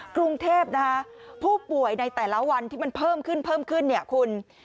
กรุงเทพผู้ป่วยในแต่ละวันที่มันเพิ่มขึ้นเนี่ยคุณ